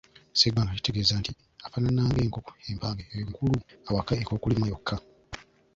Sseggwanga kitegeeza nti afaanana ng'enkoko empanga enkulu awaka ekookolima yokka.